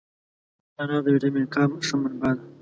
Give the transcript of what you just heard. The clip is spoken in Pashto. انار د ویټامین K ښه منبع ده.